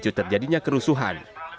di situ terjadinya kerusuhan